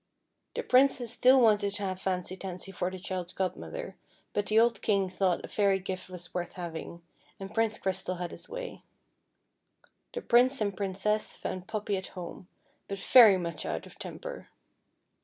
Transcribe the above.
The Princess still wanted to have Fancy Tansy for the child's godmother ; but the old King thought a fairy gift was worth having, and Prince Crystal had his way. The Prince and Princess found Poppy at liome, but very much out of temper.